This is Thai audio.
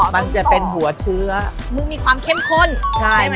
มันจะเป็นหัวเชื้อมึงมีความเข้มข้นใช่ไหม